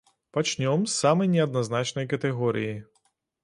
Пачнём з самай неадназначнай катэгорыі.